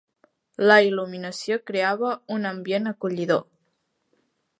La il·luminació creava un ambient acollidor.